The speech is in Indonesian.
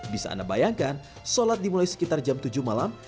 bisa anda bayangkan sholat dimulai sekitar jam tujuh malam